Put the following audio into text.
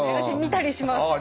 私見たりします。